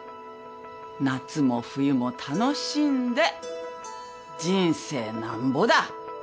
夏も冬も楽しんで人生なんぼだ。